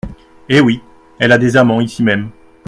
Eh oui ! elle a des amants ici même.